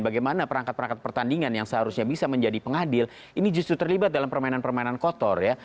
bagaimana perangkat perangkat pertandingan yang seharusnya bisa menjadi pengadil ini justru terlibat dalam permainan permainan kotor ya